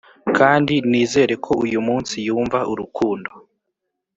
kandi nizere ko uyumunsi yumva urukundo